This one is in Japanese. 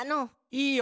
いいよ。